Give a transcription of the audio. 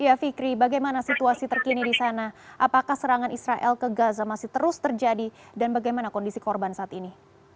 ya fikri bagaimana situasi terkini di sana apakah serangan israel ke gaza masih terus terjadi dan bagaimana kondisi korban saat ini